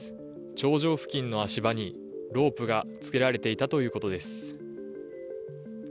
頂上付近の足場にロープがつけられていたということです。